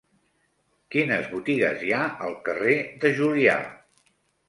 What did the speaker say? Quines botigues hi ha al carrer de Julià?